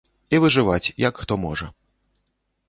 І выжываць, як хто можа.